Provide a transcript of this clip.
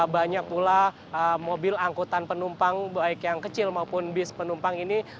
banyak pula mobil angkutan penumpang baik yang kecil maupun bis penumpang ini